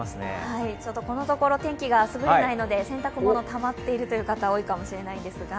ちょっとこのところ天気が優れないので、洗濯物、たまっているという方多いかもしれないんですが。